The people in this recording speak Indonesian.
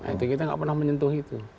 itu kita nggak pernah menyentuh itu